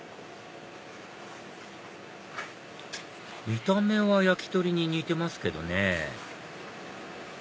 見た目は焼き鳥に似てますけどね